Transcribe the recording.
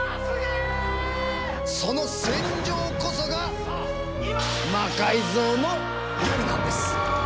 その戦場こそが「魔改造の夜」なんです！